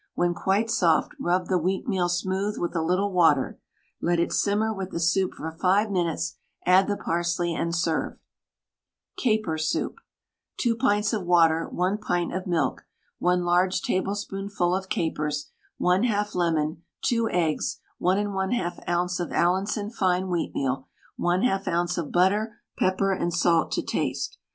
When quite soft, rub the wheatmeal smooth with a little water, let it simmer with the soup for 5 minutes, add the parsley, and serve. CAPER SOUP. 2 pints of water, 1 pint of milk, 1 large tablespoonful of capers, 1/2 lemon, 2 eggs, 1 1/2 oz. of Allinson fine wheatmeal, 1/2 oz. of butter, pepper and salt to taste.